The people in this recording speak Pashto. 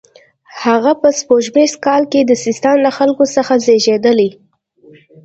هغه په سپوږمیز کال کې د سیستان له خلکو څخه زیږېدلی.